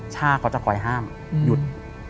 เจ้าเค้าจะคอยห้ามหยุด